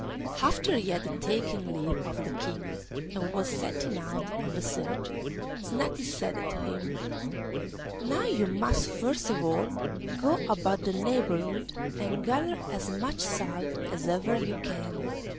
After he had taken leave of the King, and was setting out on the search, Snati said to him, 'Now you must first of all go about the neighbourhood, and gather as much salt as ever you can.